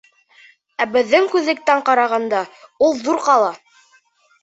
Ә беҙҙең күҙлектән ҡарағанда, ул ҙур ҡала.